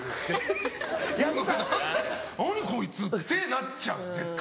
「何？こいつ」ってなっちゃうんです絶対。